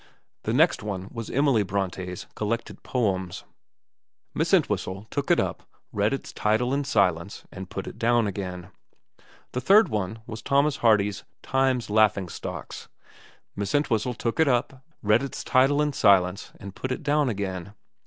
The next one was Emily Bronte's collected poems. Miss Entwhistle took it up, read its title in silence, and put it down again. The third one was Thomas Hardy's Time's Laugh ing Stocks. 330 VERA Miss Entwhistle took it up, read its title in silence, and put it down again.